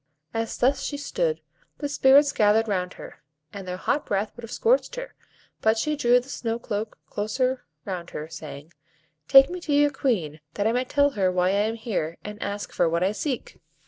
As thus she stood, the Spirits gathered round her, and their hot breath would have scorched her, but she drew the snow cloak closer round her, saying,— "Take me to your Queen, that I may tell her why I am here, and ask for what I seek."